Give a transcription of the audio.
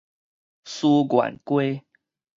思源街